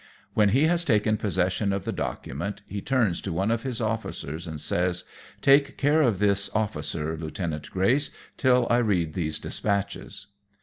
When he has taken possession of the document, he turns to one of his officers and says, " Take care of this officer, Lieutenant Grace, till I read these des patches."